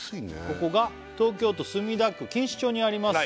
ここが東京都墨田区錦糸町にあります